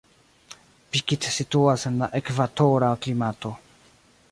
Pikit situas en la ekvatora klimato.